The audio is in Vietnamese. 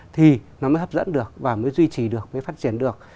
thì nó mới hấp dẫn được và mới duy trì được mới phát triển được